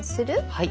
はい。